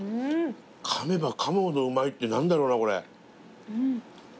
かめばかむほどうまいって何だろうなこれ。